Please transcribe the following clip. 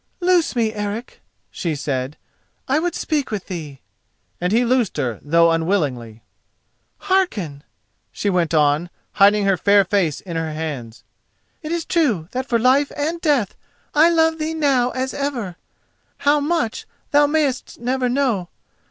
"Loose me, Eric," she said; "I would speak with thee," and he loosed her, though unwillingly. "Hearken," she went on, hiding her fair face in her hands: "it is true that for life and death I love thee now as ever—how much thou mayest never know.